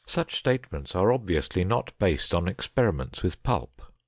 Such statements are obviously not based on experiments with pulp.